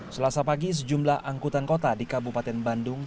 selasa pagi sejumlah angkutan kota di kabupaten bandung